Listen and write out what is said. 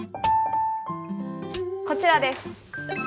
こちらです。